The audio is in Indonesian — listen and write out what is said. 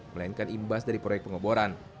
melainkan imbas dari proyek pengeboran